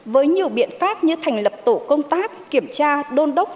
với nhiều biện pháp như thành lập tổ công tác kiểm tra đôn đốc